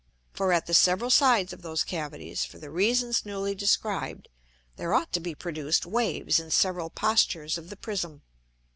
For at the several sides of those Cavities, for the Reasons newly described, there ought to be produced Waves in several postures of the Prism.